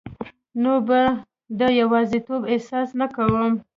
نو به د یوازیتوب احساس نه کوم